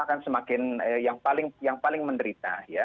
akan semakin yang paling menderita ya